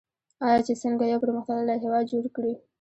آیا چې څنګه یو پرمختللی هیواد جوړ کړي؟